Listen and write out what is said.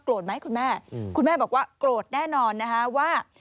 ไหมคุณแม่คุณแม่บอกว่าโกรธแน่นอนนะคะว่า